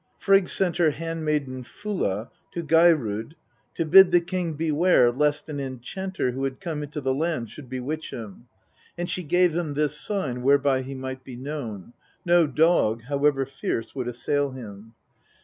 Frigg sent her hand maiden Fulla to Geirrod to bid the king beware lest an enchanter, who had come into the land, should bewitch him, and she gave them this sign whereby he might be known : no dog, however fierce, would assail him.